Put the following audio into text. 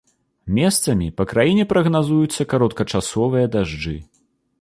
Месцамі па краіне прагназуюцца кароткачасовыя дажджы.